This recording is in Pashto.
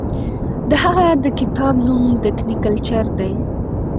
د هغه د کتاب نوم دکني کلچر دی.